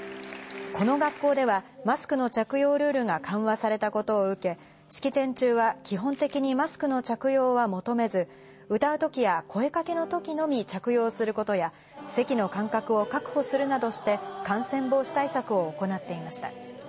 この学校ではマスクの着用ルールが緩和されたことを受け、式典中は基本的にマスクの着用は求めず、歌う時や声かけの時のみ着用することや、席の間隔を確保するなどして感染防止対策を行っていました。